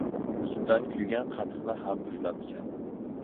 • Sutdan kuygan qatiqni ham puflab ichadi.